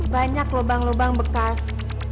banyak lubang lubang bekas